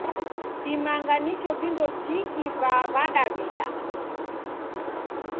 Kimanga nicho vindo tiki va Widaw'ida.